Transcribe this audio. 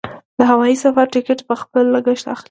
د هوايي سفر ټکټ په خپل لګښت اخلي.